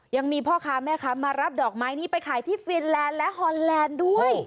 ยังมีพ่อค้าแม่ค้ามารับดอกไม้นี้ไปขายที่ฟินแลนด์และฮอนแลนด์ด้วย